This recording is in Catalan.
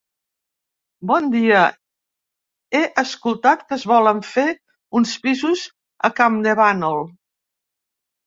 Bon dia, he escoltat que es volen fer uns pisos a Camdevanol.